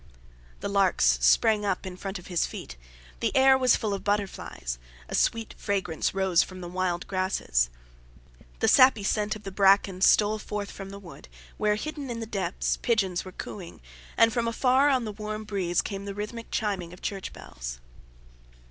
The larks sprang up in front of his feet, the air was full of butterflies, a sweet fragrance rose from the wild grasses. The sappy scent of the bracken stole forth from the wood, where, hidden in the depths, pigeons were cooing, and from afar on the warm breeze, came the rhythmic chiming of church bells.